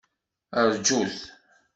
Rǧut!